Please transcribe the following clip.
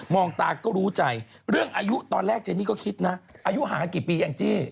องตาก็รู้ใจเรื่องอายุตอนแรกเจนี่ก็คิดนะอายุห่างกันกี่ปีแองจี้